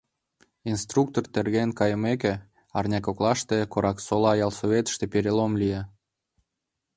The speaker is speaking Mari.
Инструктор терген кайымеке, арня коклаште Кораксола ялсоветыште перелом лие.